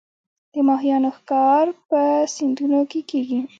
د ماهیانو ښکار په سیندونو کې کیږي